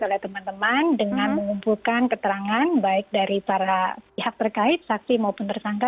oleh teman teman dengan mengumpulkan keterangan baik dari para pihak terkait saksi maupun tersangka